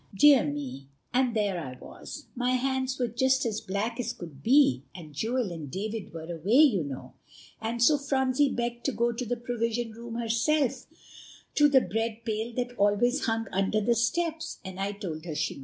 Dear me, and there I was; my hands were just as black as could be, and Joel and David were away, you know, and so Phronsie begged to go to the Provision Room herself to the bread pail that always hung under the steps, and I told her she might.